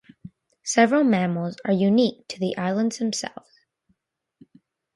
Several mammals are unique to the islands themselves.